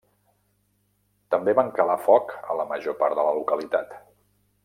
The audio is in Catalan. També van calar foc a la major part de la localitat.